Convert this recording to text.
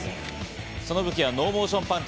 その武器はノーモーションパンチ。